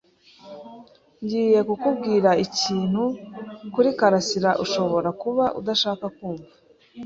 Ngiye kukubwira ikintu kuri karasira ushobora kuba udashaka kumva.